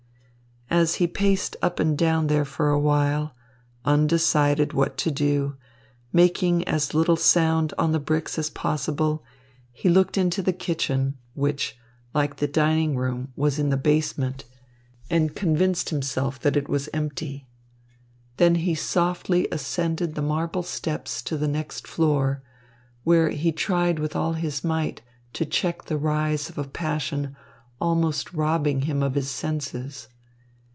As he paced up and down there for a while, undecided what to do, making as little sound on the bricks as possible, he looked into the kitchen, which, like the dining room, was in the basement, and convinced himself that it was empty. Then he softly ascended the marble steps to the next floor, where he tried with all his might to check the rise of a passion almost robbing him of his senses.